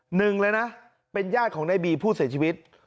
หนึ่งเป็นญาติของนายบีผู้เสียชีวิต